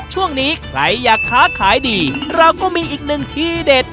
ช่วงนี้ใครอยากค้าขายดีเราก็มีอีกหนึ่งทีเด็ด